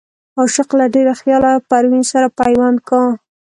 عاشق له ډېره خياله پروين سره پيوند کا